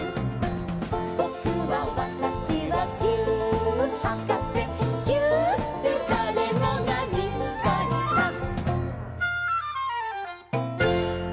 「ぼくはわたしはぎゅーっはかせ」「ぎゅーっでだれもがにっこりさん！」